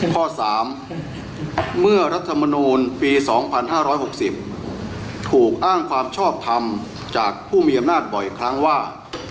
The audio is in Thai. ข้อ๓เมื่อรัฐมนูลปี๒๕๖๐ถูกอ้างความชอบทำจากผู้มีอำนาจบ่อยครั้งว่า